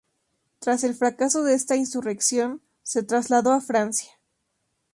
Tras el fracaso de esta insurrección se trasladó a Francia.